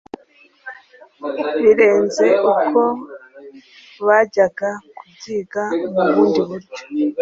birenze uko bajyaga kubyiga mu bundi buryo.